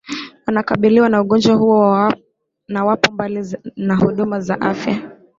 wanakabiliwa na ugonjwa huo na wapo mbali na huduma za afya